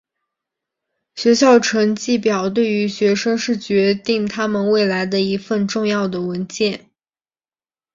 学校成绩表对于学生是决定他们未来的一份重要的文件。